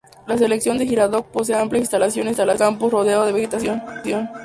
La Seccional de Girardot posee amplias instalaciones y un campus rodeado de vegetación.